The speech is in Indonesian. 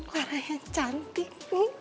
clara yang cantik